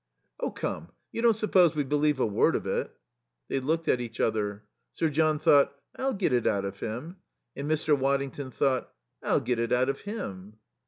"Oh, come, you don't suppose we believe a word of it." They looked at each other. Sir John thought: "I'll get it out of him." And Mr. Waddington thought: "I'll get it out of him."